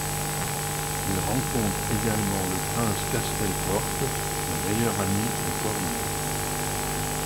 Il rencontre également le prince Castel-Forte, le meilleur ami de Corinne.